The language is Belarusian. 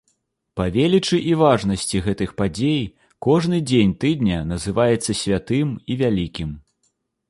Па велічы і важнасці гэтых падзей кожны дзень тыдня называецца святым і вялікім.